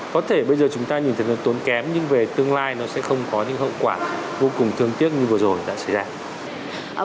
có thể bây giờ chúng ta nhìn thấy nó tốn kém nhưng về tương lai nó sẽ không có những hậu quả vô cùng thương tiếc như vừa rồi đã xảy ra